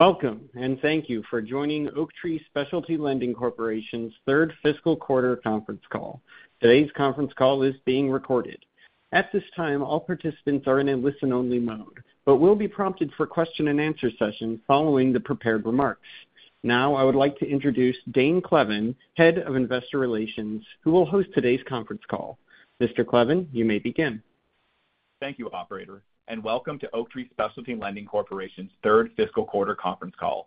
Welcome, and thank you for joining Oaktree Specialty Lending Corporation's third fiscal quarter conference call. Today's conference call is being recorded. At this time, all participants are in a listen-only mode, but will be prompted for question and answer session following the prepared remarks. Now, I would like to introduce Dane Cleven, Head of Investor Relations, who will host today's conference call. Mr. Cleven, you may begin. Thank you, operator, and welcome to Oaktree Specialty Lending Corporation's third fiscal quarter conference call.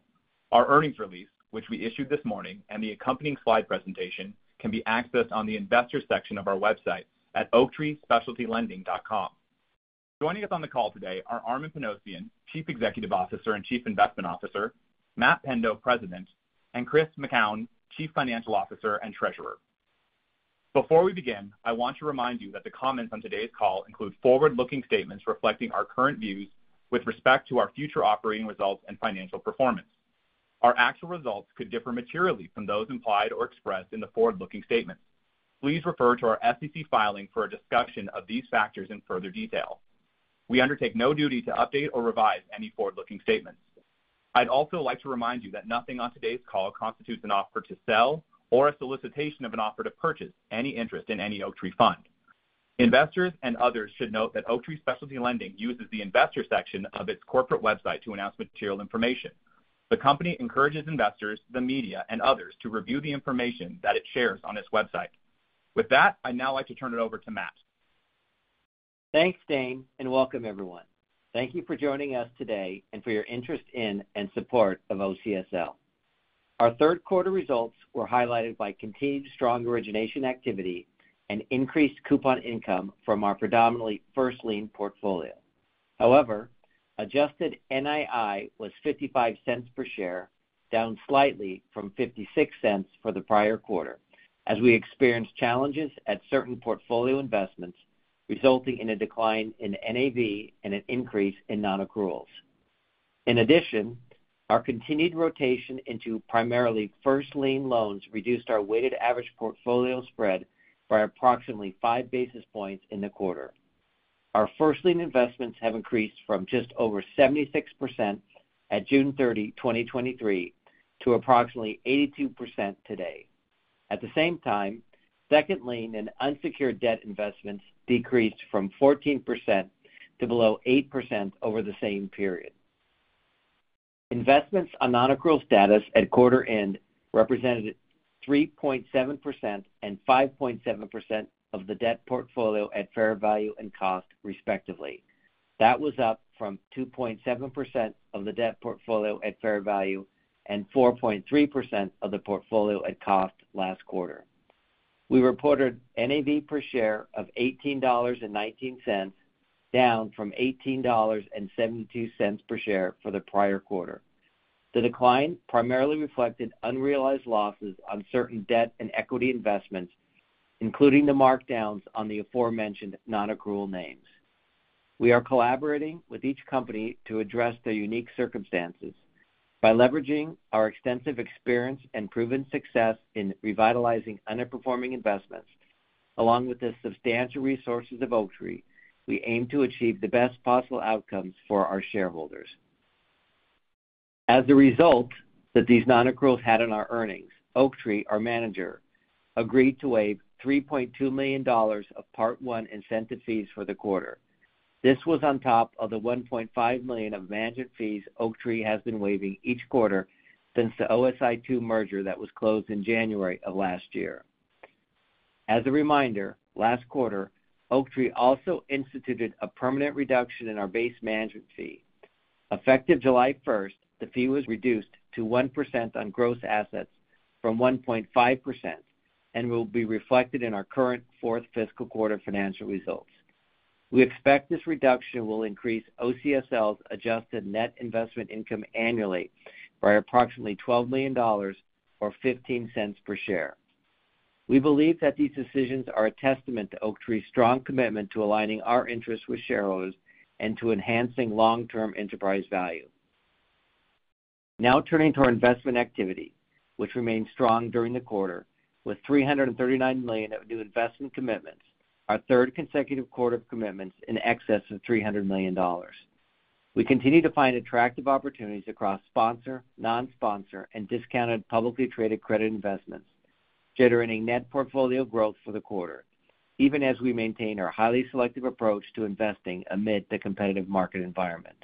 Our earnings release, which we issued this morning, and the accompanying slide presentation, can be accessed on the Investors section of our website at oaktreespecialtylending.com. Joining us on the call today are Armen Panossian, Chief Executive Officer and Chief Investment Officer; Matt Pendo, President; and Chris McKown, Chief Financial Officer and Treasurer. Before we begin, I want to remind you that the comments on today's call include forward-looking statements reflecting our current views with respect to our future operating results and financial performance. Our actual results could differ materially from those implied or expressed in the forward-looking statement. Please refer to our SEC filing for a discussion of these factors in further detail. We undertake no duty to update or revise any forward-looking statements. I'd also like to remind you that nothing on today's call constitutes an offer to sell or a solicitation of an offer to purchase any interest in any Oaktree fund. Investors and others should note that Oaktree Specialty Lending uses the Investor section of its corporate website to announce material information. The company encourages investors, the media, and others to review the information that it shares on its website. With that, I'd now like to turn it over to Matt. Thanks, Dane, and welcome, everyone. Thank you for joining us today and for your interest in and support of OCSL. Our third quarter results were highlighted by continued strong origination activity and increased coupon income from our predominantly first lien portfolio. However, Adjusted NII was $0.55 per share, down slightly from $0.56 for the prior quarter, as we experienced challenges at certain portfolio investments, resulting in a decline in NAV and an increase in non-accruals. In addition, our continued rotation into primarily first lien loans reduced our weighted average portfolio spread by approximately 5 basis points in the quarter. Our first lien investments have increased from just over 76% at June 30, 2023, to approximately 82% today. At the same time, second lien and unsecured debt investments decreased from 14% to below 8% over the same period. Investments on non-accrual status at quarter end represented 3.7% and 5.7% of the debt portfolio at fair value and cost, respectively. That was up from 2.7% of the debt portfolio at fair value and 4.3% of the portfolio at cost last quarter. We reported NAV per share of $18.19, down from $18.72 per share for the prior quarter. The decline primarily reflected unrealized losses on certain debt and equity investments, including the markdowns on the aforementioned non-accrual names. We are collaborating with each company to address their unique circumstances. By leveraging our extensive experience and proven success in revitalizing underperforming investments, along with the substantial resources of Oaktree, we aim to achieve the best possible outcomes for our shareholders. As a result that these non-accruals had on our earnings, Oaktree, our manager, agreed to waive $3.2 million of Part I incentive fees for the quarter. This was on top of the $1.5 million of management fees Oaktree has been waiving each quarter since the OSI II merger that was closed in January of last year. As a reminder, last quarter, Oaktree also instituted a permanent reduction in our base management fee. Effective July 1, the fee was reduced to 1% on gross assets from 1.5% and will be reflected in our current fourth fiscal quarter financial results. We expect this reduction will increase OCSL's Adjusted net investment income annually by approximately $12 million or $0.15 per share. We believe that these decisions are a testament to Oaktree's strong commitment to aligning our interests with shareholders and to enhancing long-term enterprise value. Now turning to our investment activity, which remained strong during the quarter, with $339 million of new investment commitments, our third consecutive quarter of commitments in excess of $300 million. We continue to find attractive opportunities across sponsor, non-sponsor, and discounted publicly traded credit investments, generating net portfolio growth for the quarter, even as we maintain our highly selective approach to investing amid the competitive market environment.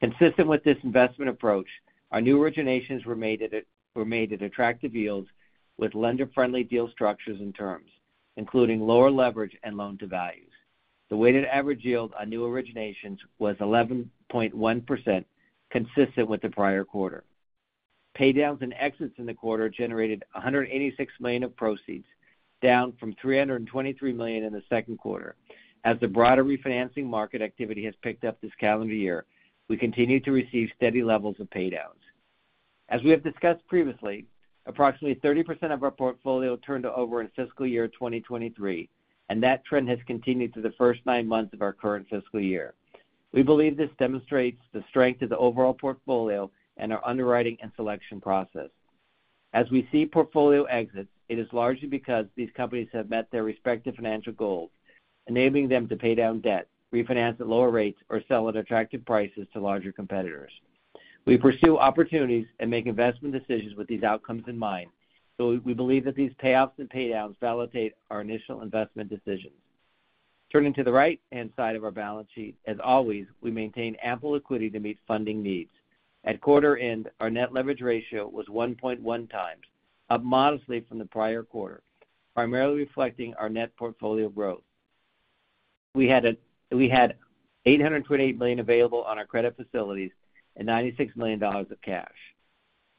Consistent with this investment approach, our new originations were made at attractive yields with lender-friendly deal structures and terms, including lower leverage and loan to values. The weighted average yield on new originations was 11.1%, consistent with the prior quarter. Paydowns and exits in the quarter generated $186 million of proceeds, down from $323 million in the second quarter. As the broader refinancing market activity has picked up this calendar year, we continue to receive steady levels of paydowns. As we have discussed previously, approximately 30% of our portfolio turned over in fiscal year 2023, and that trend has continued through the first 9 months of our current fiscal year. We believe this demonstrates the strength of the overall portfolio and our underwriting and selection process.... As we see portfolio exits, it is largely because these companies have met their respective financial goals, enabling them to pay down debt, refinance at lower rates, or sell at attractive prices to larger competitors. We pursue opportunities and make investment decisions with these outcomes in mind, so we believe that these payoffs and paydowns validate our initial investment decisions. Turning to the right-hand side of our balance sheet, as always, we maintain ample liquidity to meet funding needs. At quarter end, our net leverage ratio was 1.1x, up modestly from the prior quarter, primarily reflecting our net portfolio growth. We had $828 million available on our credit facilities and $96 million of cash.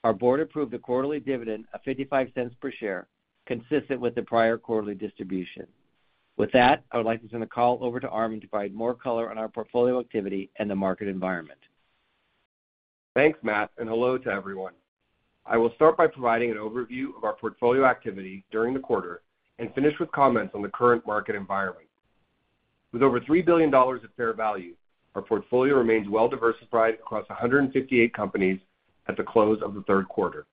Our board approved a quarterly dividend of $0.55 per share, consistent with the prior quarterly distribution. With that, I would like to turn the call over to Armen to provide more color on our portfolio activity and the market environment. Thanks, Matt, and hello to everyone. I will start by providing an overview of our portfolio activity during the quarter and finish with comments on the current market environment. With over $3 billion of fair value, our portfolio remains well diversified across 158 companies at the close of the third quarter.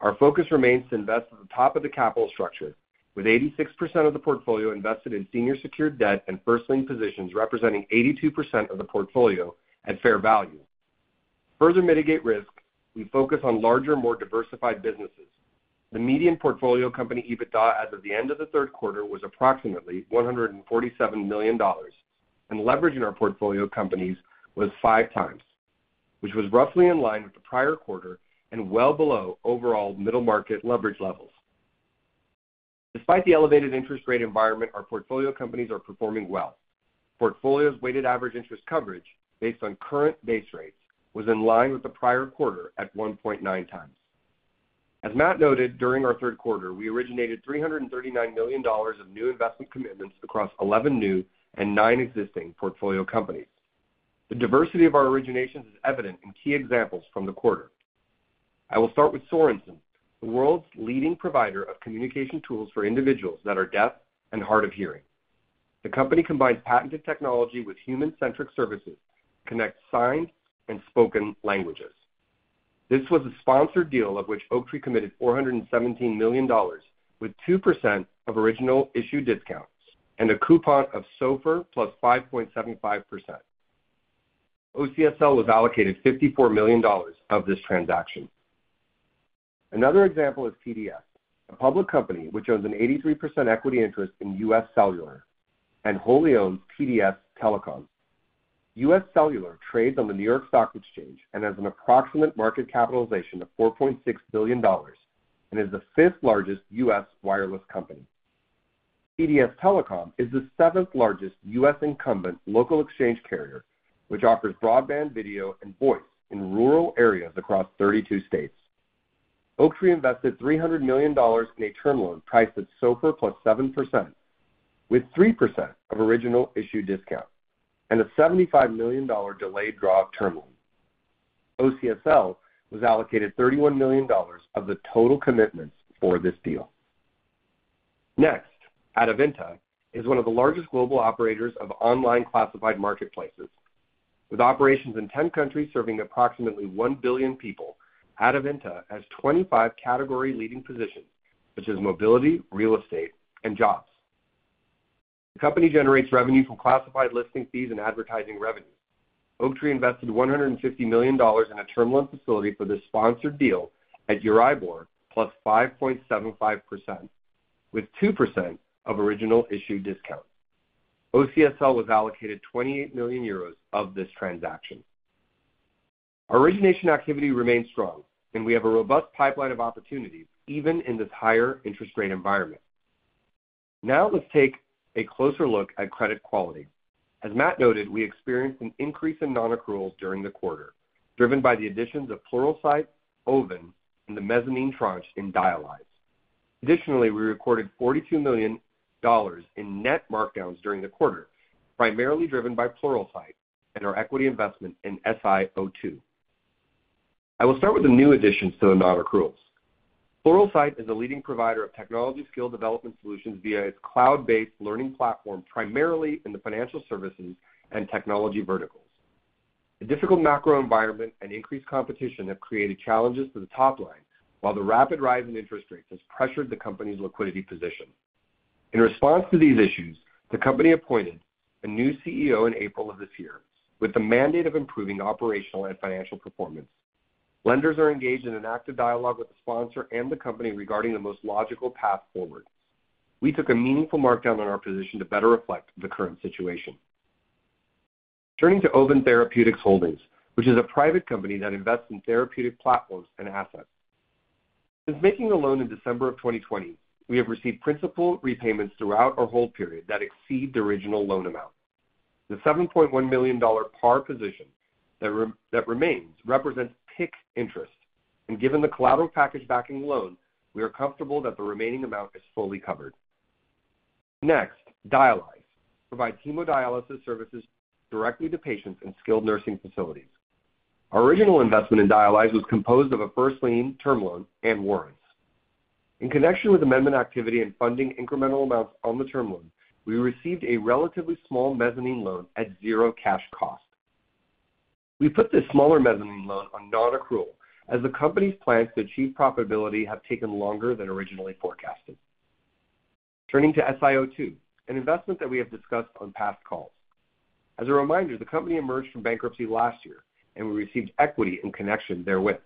Our focus remains to invest at the top of the capital structure, with 86% of the portfolio invested in senior secured debt and first lien positions, representing 82% of the portfolio at fair value. To further mitigate risk, we focus on larger, more diversified businesses. The median portfolio company EBITDA, as of the end of the third quarter, was approximately $147 million, and leverage in our portfolio companies was 5x, which was roughly in line with the prior quarter and well below overall middle market leverage levels. Despite the elevated interest rate environment, our portfolio companies are performing well. Portfolio's weighted average interest coverage, based on current base rates, was in line with the prior quarter at 1.9x. As Matt noted, during our third quarter, we originated $339 million of new investment commitments across 11 new and 9 existing portfolio companies. The diversity of our originations is evident in key examples from the quarter. I will start with Sorenson, the world's leading provider of communication tools for individuals that are deaf and hard of hearing. The company combines patented technology with human-centric services to connect signed and spoken languages. This was a sponsored deal of which Oaktree committed $417 million, with 2% of original issue discounts and a coupon of SOFR plus 5.75%. OCSL was allocated $54 million of this transaction. Another example is TDS, a public company which owns an 83% equity interest in UScellular and wholly owns TDS Telecom. UScellular trades on the New York Stock Exchange and has an approximate market capitalization of $4.6 billion and is the fifth largest US wireless company. TDS Telecom is the seventh largest US incumbent local exchange carrier, which offers broadband, video, and voice in rural areas across 32 states. Oaktree invested $300 million in a term loan priced at SOFR + 7%, with 3% of original issue discount, and a $75 million delayed draw term loan. OCSL was allocated $31 million of the total commitments for this deal. Next, Adevinta is one of the largest global operators of online classified marketplaces. With operations in 10 countries, serving approximately 1 billion people, Adevinta has 25 category-leading positions, such as mobility, real estate, and jobs. The company generates revenue from classified listing fees and advertising revenue. Oaktree invested $150 million in a term loan facility for this sponsored deal at Euribor plus 5.75%, with 2% of original issue discount. OCSL was allocated 28 million euros of this transaction. Our origination activity remains strong, and we have a robust pipeline of opportunities, even in this higher interest rate environment. Now, let's take a closer look at credit quality. As Matt noted, we experienced an increase in non-accruals during the quarter, driven by the additions of Pluralsight, Oven, and the mezzanine tranche in Dialyze. Additionally, we recorded $42 million in net markdowns during the quarter, primarily driven by Pluralsight and our equity investment in SiO2. I will start with the new additions to the non-accruals. Pluralsight is a leading provider of technology skill development solutions via its cloud-based learning platform, primarily in the financial services and technology verticals. The difficult macro environment and increased competition have created challenges to the top line, while the rapid rise in interest rates has pressured the company's liquidity position. In response to these issues, the company appointed a new CEO in April of this year with the mandate of improving operational and financial performance. Lenders are engaged in an active dialogue with the sponsor and the company regarding the most logical path forward. We took a meaningful markdown on our position to better reflect the current situation. Turning to Oven Therapeutics Holdings, which is a private company that invests in therapeutic platforms and assets. Since making the loan in December of 2020, we have received principal repayments throughout our hold period that exceed the original loan amount. The $7.1 million par position that remains represents accrued interest, and given the collateral package backing the loan, we are comfortable that the remaining amount is fully covered. Next, Dialyze provides hemodialysis services directly to patients in skilled nursing facilities. Our original investment in Dialyze was composed of a first lien term loan and warrants. In connection with amendment activity and funding incremental amounts on the term loan, we received a relatively small mezzanine loan at zero cash cost. We put this smaller mezzanine loan on non-accrual, as the company's plans to achieve profitability have taken longer than originally forecasted. Turning to SiO2, an investment that we have discussed on past calls. As a reminder, the company emerged from bankruptcy last year, and we received equity in connection therewith.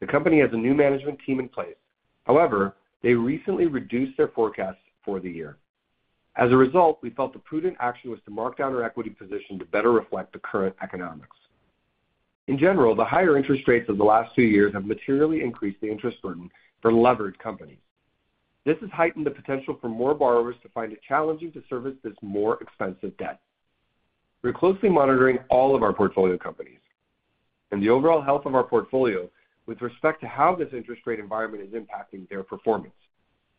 The company has a new management team in place. However, they recently reduced their forecasts for the year. As a result, we felt the prudent action was to mark down our equity position to better reflect the current economics. In general, the higher interest rates of the last two years have materially increased the interest burden for leveraged companies. This has heightened the potential for more borrowers to find it challenging to service this more expensive debt. We're closely monitoring all of our portfolio companies and the overall health of our portfolio with respect to how this interest rate environment is impacting their performance.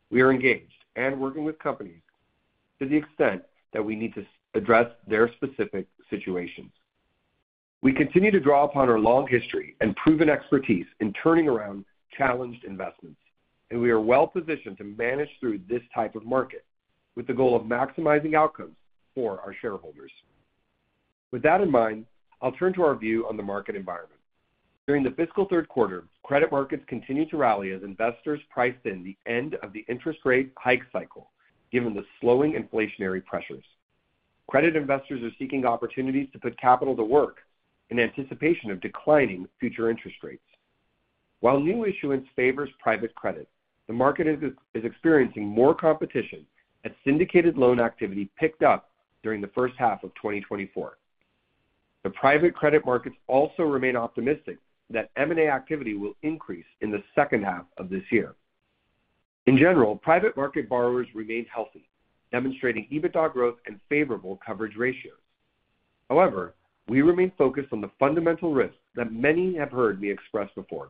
We are engaged and working with companies to the extent that we need to address their specific situations. We continue to draw upon our long history and proven expertise in turning around challenged investments, and we are well positioned to manage through this type of market, with the goal of maximizing outcomes for our shareholders. With that in mind, I'll turn to our view on the market environment. During the fiscal third quarter, credit markets continued to rally as investors priced in the end of the interest rate hike cycle, given the slowing inflationary pressures. Credit investors are seeking opportunities to put capital to work in anticipation of declining future interest rates. While new issuance favors private credit, the market is experiencing more competition as syndicated loan activity picked up during the first half of 2024. The private credit markets also remain optimistic that M&A activity will increase in the second half of this year. In general, private market borrowers remained healthy, demonstrating EBITDA growth and favorable coverage ratios. However, we remain focused on the fundamental risks that many have heard me express before.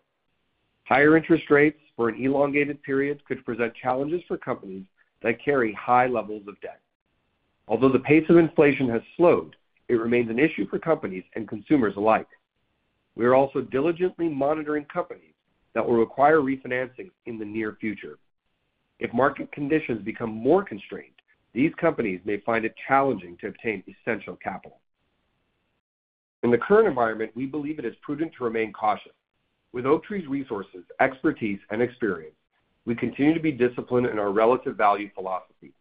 Higher interest rates for an elongated period could present challenges for companies that carry high levels of debt. Although the pace of inflation has slowed, it remains an issue for companies and consumers alike. We are also diligently monitoring companies that will require refinancing in the near future. If market conditions become more constrained, these companies may find it challenging to obtain essential capital. In the current environment, we believe it is prudent to remain cautious. With Oaktree's resources, expertise, and experience, we continue to be disciplined in our relative value philosophy.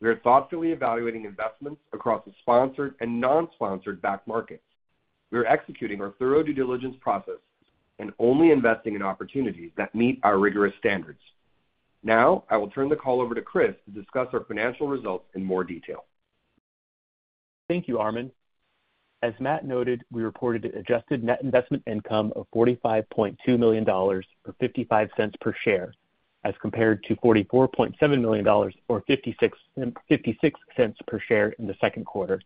We are thoughtfully evaluating investments across the sponsored and non-sponsored backed markets. We are executing our thorough due diligence process and only investing in opportunities that meet our rigorous standards. Now, I will turn the call over to Chris to discuss our financial results in more detail. Thank you, Armen. As Matt noted, we reported Adjusted net investment income of $45.2 million, or $0.55 per share, as compared to $44.7 million or 56 cents per share in the second quarter.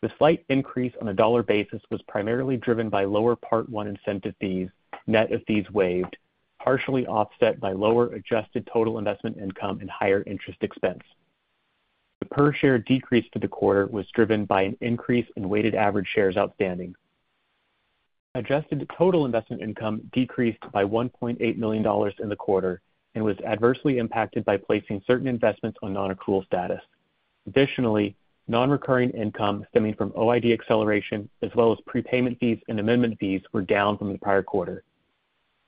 The slight increase on a dollar basis was primarily driven by lower Part I incentive fees, net of fees waived, partially offset by lower Adjusted total investment income and higher interest expense. The per share decrease for the quarter was driven by an increase in weighted average shares outstanding. Adjusted total investment income decreased by $1.8 million in the quarter and was adversely impacted by placing certain investments on non-accrual status. Additionally, non-recurring income stemming from OID acceleration, as well as prepayment fees and amendment fees, were down from the prior quarter.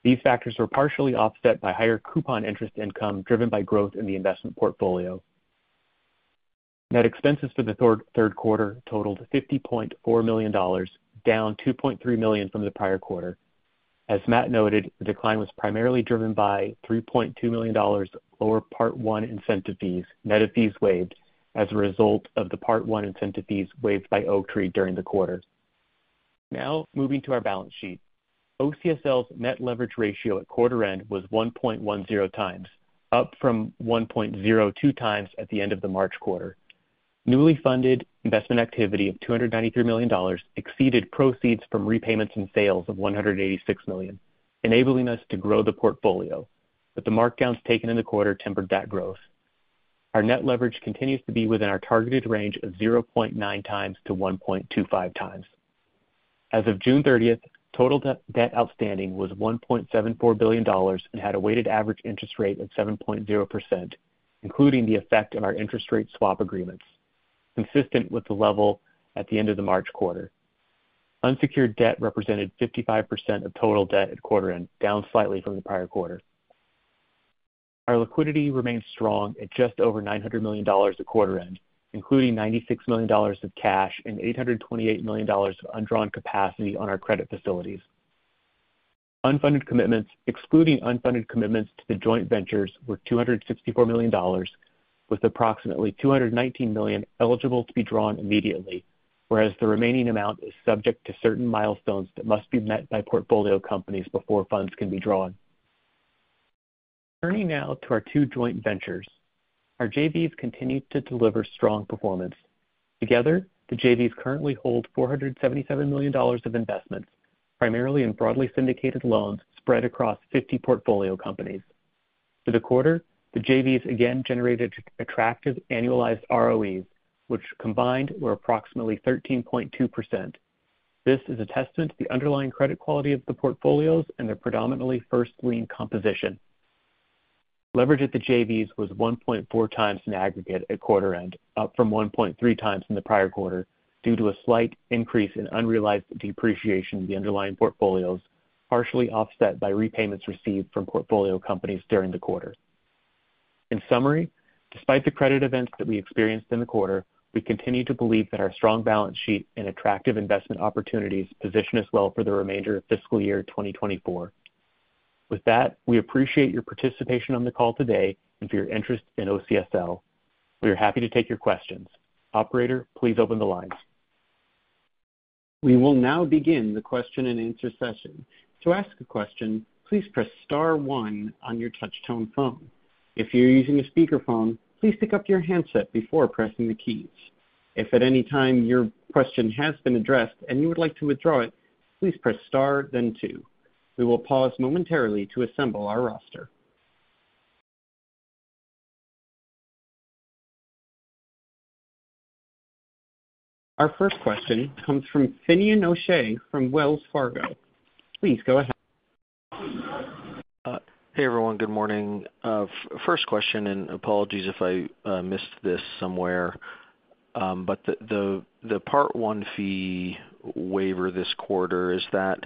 These factors were partially offset by higher coupon interest income, driven by growth in the investment portfolio. Net expenses for the third quarter totaled $50.4 million, down $2.3 million from the prior quarter. As Matt noted, the decline was primarily driven by $3.2 million lower Part I incentive fees, net of fees waived, as a result of the Part I incentive fees waived by Oaktree during the quarter. Now, moving to our balance sheet. OCSL's net leverage ratio at quarter end was 1.10x, up from 1.02x at the end of the March quarter. Newly funded investment activity of $293 million exceeded proceeds from repayments and sales of $186 million, enabling us to grow the portfolio, but the markdowns taken in the quarter tempered that growth. Our net leverage continues to be within our targeted range of 0.9x-1.25x. As of June 30th, total debt outstanding was $1.74 billion and had a weighted average interest rate of 7.0%, including the effect of our interest rate swap agreements, consistent with the level at the end of the March quarter. Unsecured debt represented 55% of total debt at quarter end, down slightly from the prior quarter. Our liquidity remains strong at just over $900 million at quarter end, including $96 million of cash and $828 million of undrawn capacity on our credit facilities. Unfunded commitments, excluding unfunded commitments to the joint ventures, were $264 million, with approximately $219 million eligible to be drawn immediately, whereas the remaining amount is subject to certain milestones that must be met by portfolio companies before funds can be drawn. Turning now to our two joint ventures. Our JVs continued to deliver strong performance. Together, the JVs currently hold $477 million of investments, primarily in broadly syndicated loans spread across 50 portfolio companies. For the quarter, the JVs again generated attractive annualized ROEs, which combined were approximately 13.2%. This is a testament to the underlying credit quality of the portfolios and their predominantly first lien composition. Leverage at the JVs was 1.4x in aggregate at quarter end, up from 1.3x in the prior quarter, due to a slight increase in unrealized depreciation of the underlying portfolios, partially offset by repayments received from portfolio companies during the quarter. In summary, despite the credit events that we experienced in the quarter, we continue to believe that our strong balance sheet and attractive investment opportunities position us well for the remainder of fiscal year 2024. With that, we appreciate your participation on the call today and for your interest in OCSL. We are happy to take your questions. Operator, please open the lines. We will now begin the question and answer session. To ask a question, please press star one on your touchtone phone. If you're using a speakerphone, please pick up your handset before pressing the keys. If at any time your question has been addressed and you would like to withdraw it, please press star, then two. We will pause momentarily to assemble our roster. Our first question comes from Finian O'Shea from Wells Fargo. Please go ahead. Hey, everyone. Good morning. First question, and apologies if I missed this somewhere, but the Part I fee waiver this quarter, is that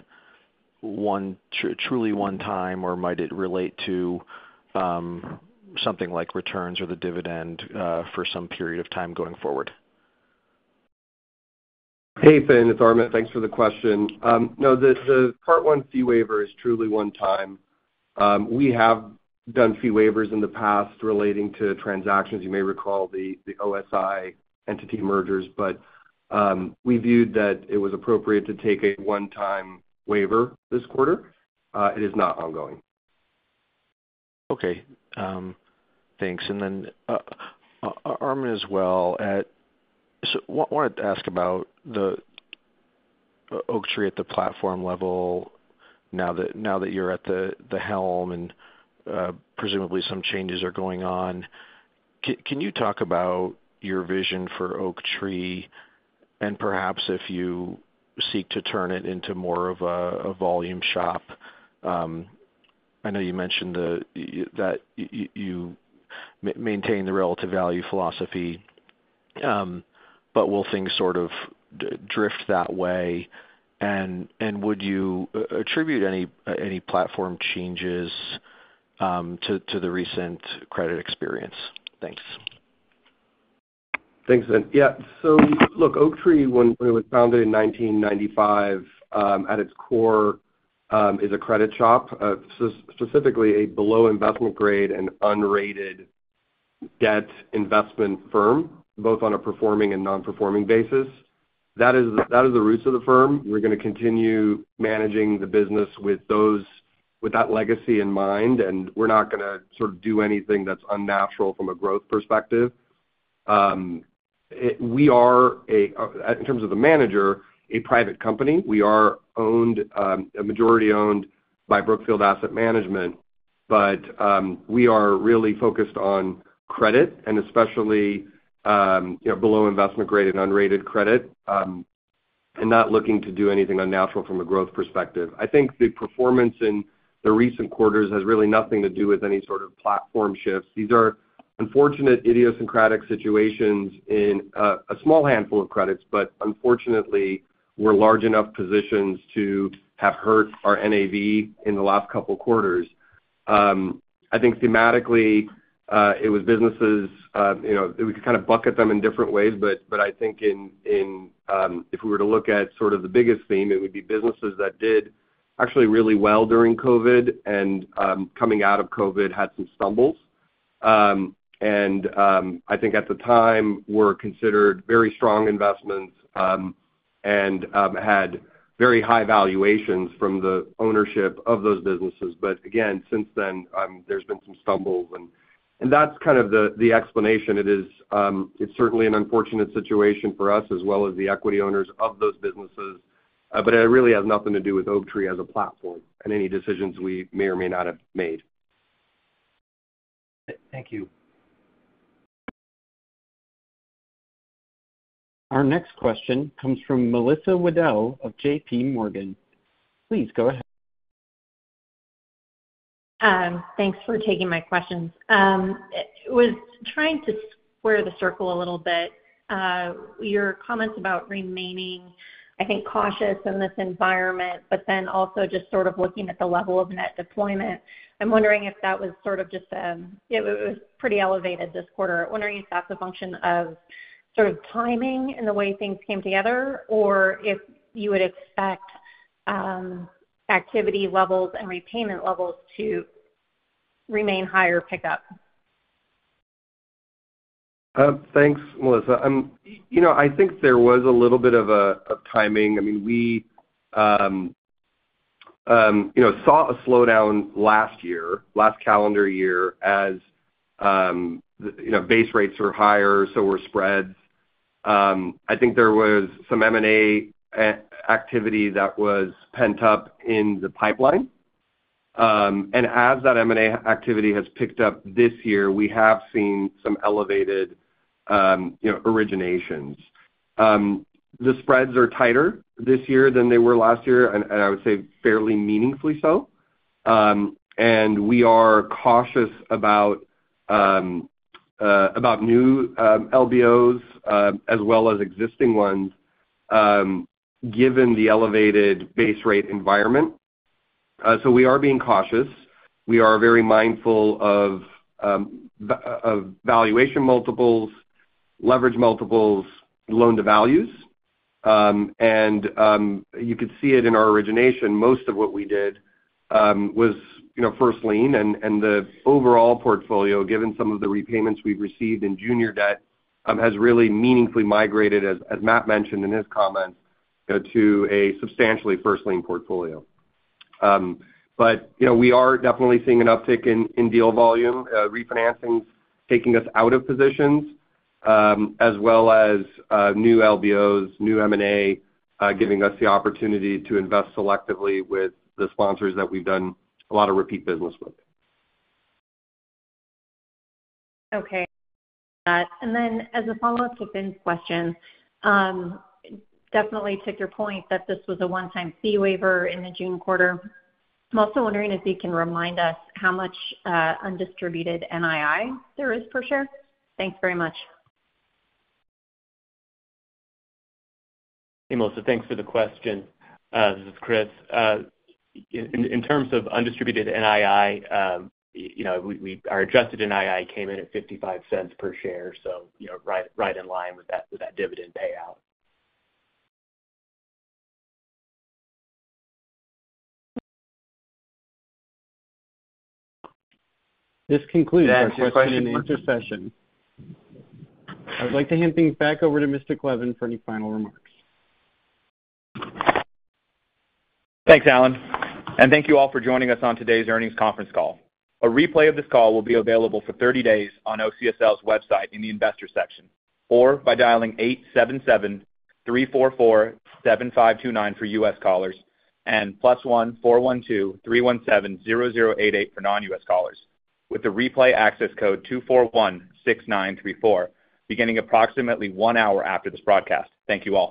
truly one time, or might it relate to something like returns or the dividend for some period of time going forward? Hey, Finn, it's Arman. Thanks for the question. No, the Part I fee waiver is truly one-time. We have done fee waivers in the past relating to transactions. You may recall the OSI entity mergers, but we viewed that it was appropriate to take a one-time waiver this quarter. It is not ongoing. Okay. Thanks. And then, Armen as well, at – so wanted to ask about the Oaktree at the platform level now that you're at the helm and presumably some changes are going on. Can you talk about your vision for Oaktree, and perhaps if you seek to turn it into more of a volume shop? I know you mentioned that you maintain the relative value philosophy, but will things sort of drift that way? And would you attribute any platform changes to the recent credit experience? Thanks. Thanks, Finn. Yeah, so look, Oaktree, when it was founded in 1995, at its core, is a credit shop, specifically a below investment grade and unrated debt investment firm, both on a performing and non-performing basis. That is, that is the roots of the firm. We're gonna continue managing the business with that legacy in mind, and we're not gonna sort of do anything that's unnatural from a growth perspective. We are a, in terms of the manager, a private company. We are owned, a majority owned by Brookfield Asset Management, but, we are really focused on credit and especially, you know, below investment grade and unrated credit, and not looking to do anything unnatural from a growth perspective. I think the performance in the recent quarters has really nothing to do with any sort of platform shifts. These are unfortunate, idiosyncratic situations in a small handful of credits, but unfortunately, we're large enough positions to have hurt our NAV in the last couple quarters. I think thematically, it was businesses, you know, we could kind of bucket them in different ways, but I think if we were to look at sort of the biggest theme, it would be businesses that did actually really well during COVID and, coming out of COVID, had some stumbles. And I think at the time, were considered very strong investments, and had very high valuations from the ownership of those businesses. But again, since then, there's been some stumbles, and that's kind of the explanation. It is, it's certainly an unfortunate situation for us, as well as the equity owners of those businesses, but it really has nothing to do with Oaktree as a platform and any decisions we may or may not have made. Thank you. Our next question comes from Melissa Wedel of J.P. Morgan. Please go ahead. Thanks for taking my questions. I was trying to square the circle a little bit. Your comments about remaining, I think, cautious in this environment, but then also just sort of looking at the level of net deployment. I'm wondering if that was sort of just, it was pretty elevated this quarter. I'm wondering if that's a function of sort of timing and the way things came together, or if you would expect, activity levels and repayment levels to remain high or pick up. Thanks, Melissa. You know, I think there was a little bit of a timing. I mean, we, you know, saw a slowdown last year, last calendar year, as, you know, base rates were higher, so were spreads. I think there was some M&A activity that was pent up in the pipeline. And as that M&A activity has picked up this year, we have seen some elevated, you know, originations. The spreads are tighter this year than they were last year, and I would say fairly meaningfully so. And we are cautious about, about new, LBOs, as well as existing ones, given the elevated base rate environment. So we are being cautious. We are very mindful of valuation multiples, leverage multiples, loan to values. You could see it in our origination. Most of what we did, you know, was first lien, and the overall portfolio, given some of the repayments we've received in junior debt, has really meaningfully migrated, as Matt mentioned in his comments, you know, to a substantially first lien portfolio. But, you know, we are definitely seeing an uptick in deal volume, refinancing, taking us out of positions, as well as new LBOs, new M&A, giving us the opportunity to invest selectively with the sponsors that we've done a lot of repeat business with. Okay. As a follow-up to Fin's question, definitely took your point that this was a one-time fee waiver in the June quarter. I'm also wondering if you can remind us how much undistributed NII there is per share? Thanks very much. Hey, Melissa, thanks for the question. This is Chris. In terms of undistributed NII, you know, our Adjusted NII came in at $0.55 per share, so, you know, right in line with that, with that dividend payout. This concludes our question and answer session. I would like to hand things back over to Mr. Cleven for any final remarks. Thanks, Alan, and thank you all for joining us on today's earnings conference call. A replay of this call will be available for 30 days on OCSL's website in the Investors section, or by dialing 877-344-7529 for U.S. callers, and +1-412-317-0088 for non-U.S. callers, with the replay access code 241-6934, beginning approximately one hour after this broadcast. Thank you all.